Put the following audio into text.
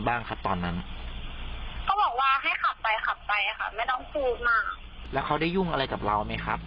แล้วตอนนั้นเราถึงที่ใหม่หรือยังครับ